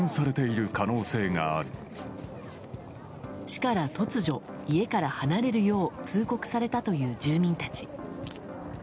市から突如、家から離れるよう通告されたという住民たち。